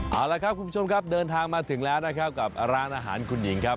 เอาละครับคุณผู้ชมครับเดินทางมาถึงแล้วนะครับกับร้านอาหารคุณหญิงครับ